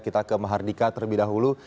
kita ke mahardika terlebih dahulu